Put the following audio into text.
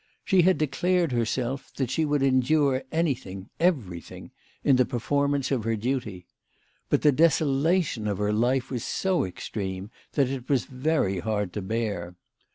She had declared to herself that she would endure anything, everything, in the performance of her duty. But the desolation of her life was so extreme that it was very hard to bear.